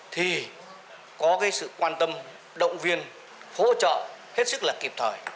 thì có cái sự quan tâm động viên hỗ trợ hết sức là kịp thời